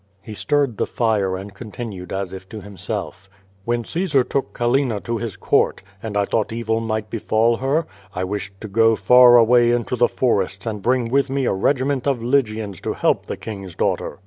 lie stirred the fire and continued as if to himself: "When Caesar took Callina to his court, and I thought evil might befall her, I wished to go far away in the forests and bring with me a regiment of Lygians to help the king's daughter.